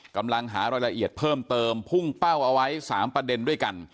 กำลังหารายละเอียดเพิ่มเติมพุ่งเป้าเอาไว้๓ประเด็นด้วยกัน